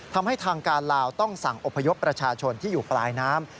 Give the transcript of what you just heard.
ทำให้ทางการลาวต้องสั่งอพยพประชาชนที่อยู่ปลายน้ำ